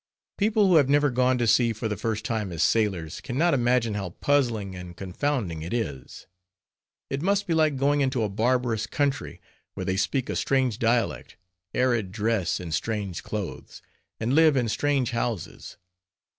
People who have never gone to sea for the first time as sailors, can not imagine how puzzling and confounding it is. It must be like going into a barbarous country, where they speak a strange dialect, and dress in strange clothes, and live in strange houses.